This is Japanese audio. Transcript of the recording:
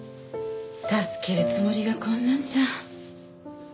助けるつもりがこんなんじゃ。